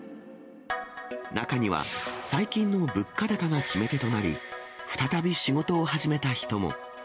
中には、最近の物価高が決め手となり、再び仕事を始めた人も。